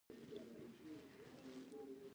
د حج او اوقافو وزارت حج څنګه تنظیموي؟